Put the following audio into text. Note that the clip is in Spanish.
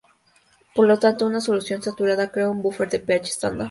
Por lo tanto, una solución saturada crea un buffer de pH estándar.